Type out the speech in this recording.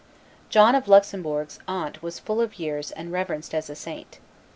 John of Luxembourg's aunt was full of years and reverenced as a saint.